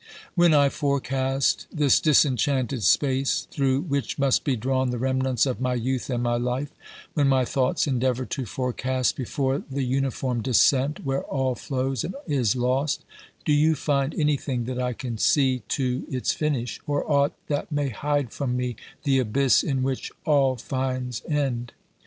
When I forecast this disenchanted space, through which must be drawn the remnants of my youth and my life, when my thoughts endeavour to forecast before the uniform descent where all flows and is lost, do you find anything that I can see to its finish, or aught that may hide from me the abyss in which all finds end